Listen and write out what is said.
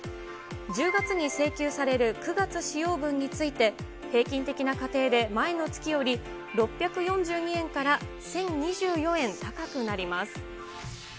１０月に請求される９月使用分について、平均的な家庭で、前の月より６４２円から１０２４円高くなります。